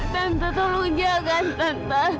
tante tolong jangan tante